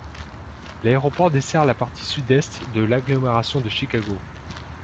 L'aéroport dessert la partie sud-est de l'agglomération de Chicago.